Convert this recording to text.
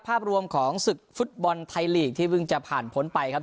ภาพรวมของศึกฟุตบอลไทยลีกที่เพิ่งจะผ่านพ้นไปครับ